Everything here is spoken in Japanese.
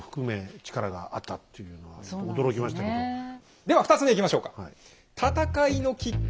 では２つ目いきましょうか。